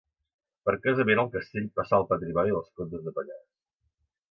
Per casament el castell passà al patrimoni dels comtes de Pallars.